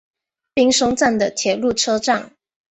滨松站的铁路车站。